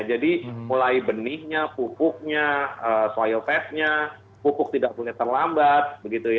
jadi mulai benihnya pupuknya soil testnya pupuk tidak boleh terlambat